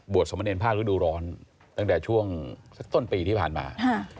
สมเนรภาคฤดูร้อนตั้งแต่ช่วงสักต้นปีที่ผ่านมา